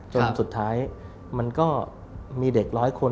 จนสุดท้ายมันก็มีเด็กร้อยคน